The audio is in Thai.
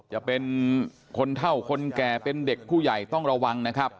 จะเป็นคนเท่าคนแก่เป็นเด็กผู้ใหญ่ต้องระวังนะครับ